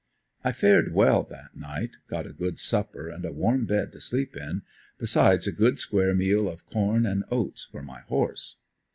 I fared well that night, got a good supper and a warm bed to sleep in besides a good square meal of corn and oats for my horse.